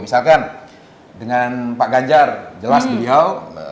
misalkan dengan pak ganjar jelas beliau